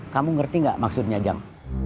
kamu ngerti gak maksudnya jam